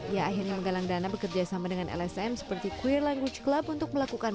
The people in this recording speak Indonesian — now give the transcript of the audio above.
ya akhirnya menggalang dana bekerja sama dengan lsm seperti queer language club untuk melakukan